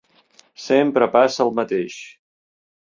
Sempre passa el mateix.